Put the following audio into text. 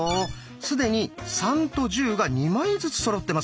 既に「３」と「１０」が２枚ずつそろってます。